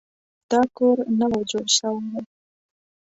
دا کور نوی جوړ شوی دی